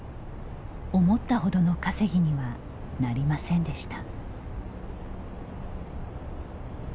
思ったほどの稼ぎにはなりませんでした。